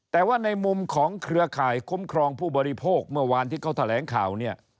แต่ว่าในมุมของเครือข่ายคุ้มครองผู้บริโภคเมื่อวานที่เขาแถลงข่าวเนี่ย